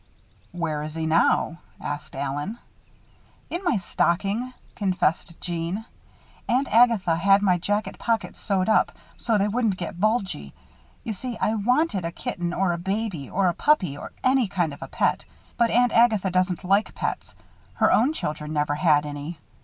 "Where is he now?" asked Allen. "In my stocking," confessed Jeanne. "Aunt Agatha had my jacket pockets sewed up so they wouldn't get bulgy. You see, I wanted a kitten or a baby or a puppy or any kind of a pet; but Aunt Agatha doesn't like pets her own children never had any.